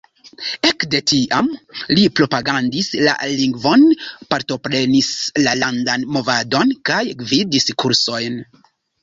Ekde tiam li propagandis la lingvon, partoprenis la landan movadon kaj gvidis kursojn.